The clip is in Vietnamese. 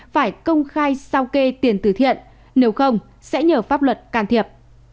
phải công khai sao kê tiền tử thiện nếu không sẽ nhờ pháp luật can thiệp